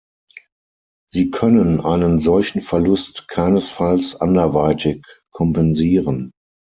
Sie können einen solchen Verlust keinesfalls anderweitig kompensieren.